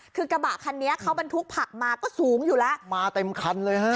คือกระบะคันนี้เขาบรรทุกผักมาก็สูงอยู่แล้วมาเต็มคันเลยฮะ